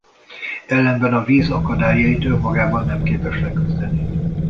Ellenben a víz akadályait önmagában nem képes leküzdeni.